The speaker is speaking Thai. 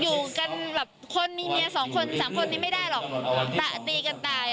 อยู่กันแบบคนมีเมีย๒คน๓คนนี้ไม่ได้หรอก